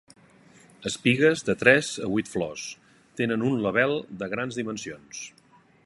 Espigues de tres a vuit flors: tenen un label de grans dimensions.